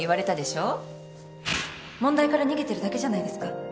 問題から逃げてるだけじゃないですか？